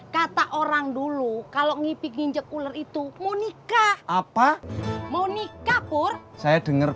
kata orang dulu kalau ngipik nginjek ular itu mau nikah apa mau nikah pur saya denger